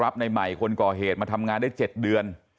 ในใหม่คนก่อเหตุมาทำงานได้๗เดือน